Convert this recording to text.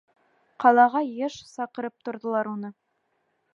Ҡалаға йыш саҡырып торҙолар уны.